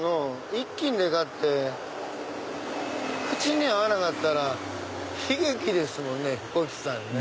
１斤で買って口に合わなかったら悲劇ですもんねこひさんね。